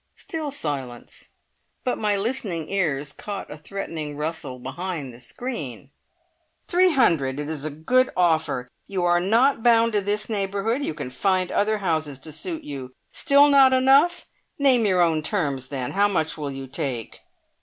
Still silence. But my listening ears caught a threatening rustle behind the screen. "Three hundred! It is a good offer. You are not bound to this neighbourhood. You can find other houses to suit you. Still not enough? Name your own terms then. How much will you take?"